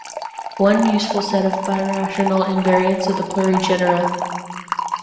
One useful set of birational invariants are the plurigenera.